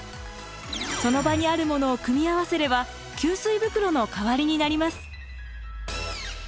その場にあるものを組み合わせれば給水袋の代わりになります。